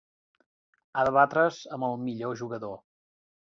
Ha de batre's amb el millor jugador.